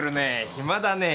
暇だねぇ。